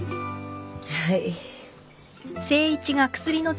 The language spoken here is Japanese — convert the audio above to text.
はい。